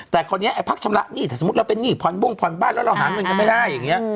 แต่คราวนี้ไอ้พักชำระหนี้ถ้าสมมุติเราเป็นหนี้ผ่อนบ้งผ่อนบ้านแล้วเราหาเงินกันไม่ได้อย่างนี้